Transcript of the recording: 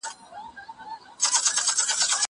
هره ورځ سبزېجات خورم!